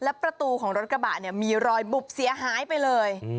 และประตูของรถกระบะเนี่ยมีรอยบุบเสียหายไปเลย